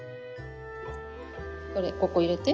これここ入れて。